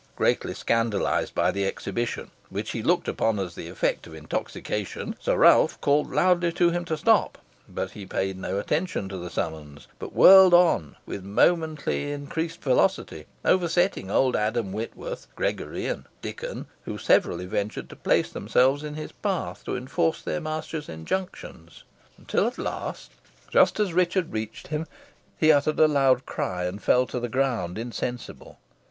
Greatly scandalised by the exhibition, which he looked upon as the effect of intoxication, Sir Ralph called loudly to him to stop, but he paid no attention to the summons, but whirled on with momently increasing velocity, oversetting old Adam Whitworth, Gregory, and Dickon, who severally ventured to place themselves in his path, to enforce their master's injunctions, until at last, just as Richard reached him, he uttered a loud cry, and fell to the ground insensible.